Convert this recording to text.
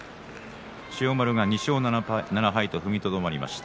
千代丸が２勝７敗と踏みとどまりました。